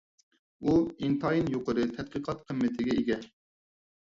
ئۇ ئىنتايىن يۇقىرى تەتقىقات قىممىتىگە ئىگە.